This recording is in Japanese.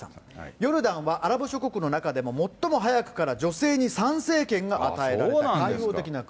ヨルダンはアラブ諸国の中でも、最も早くから女性に参政権が与えられた開放的な国。